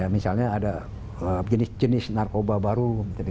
misalnya ada jenis jenis narkoba baru